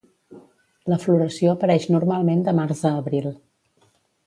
La floració apareix normalment de març a abril.